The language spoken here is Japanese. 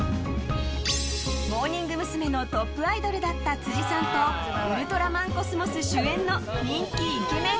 モーニング娘。のトップアイドルだった辻さんと「ウルトラマンコスモス」主演の人気イケメン